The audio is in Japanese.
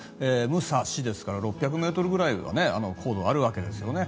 ムサシですから６００ｍぐらいは高度があるわけですよね。